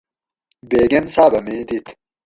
بیگم صاۤبہ میں دِت